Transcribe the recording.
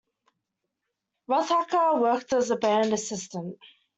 Rothacker worked as a band assistant.